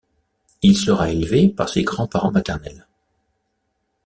Il sera élevé par ses grands-parents maternels.